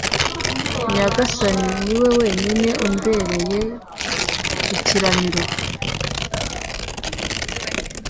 nyagasani ni we wenyine umbereye ikiramiro